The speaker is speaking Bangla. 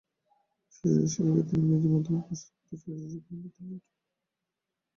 শিশুদের শিক্ষাক্ষেত্রে ইংরেজি মাধ্যমের প্রসার ঘটে চলেছে, সাধারণ বিদ্যালয়েও বাংলা অবহেলিত।